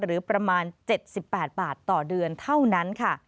หรือประมาณ๗๘บาทต่อเดือนเท่านั้นค่ะ